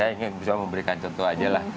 saya ingin bisa memberikan contoh aja lah